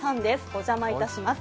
お邪魔いたします。